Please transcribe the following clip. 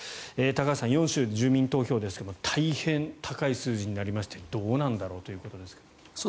高橋さん、４州の住民投票ですが大変高い数字になりましてどうなんだろうということですが。